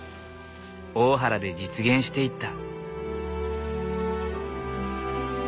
大原で実現していった。